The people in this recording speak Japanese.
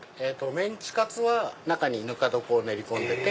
メンチカツは中にぬか床を練り込んでて。